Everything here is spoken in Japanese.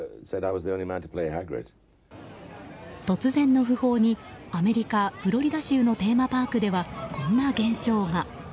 突然の訃報にアメリカ・フロリダ州のテーマパークではこんな現象が。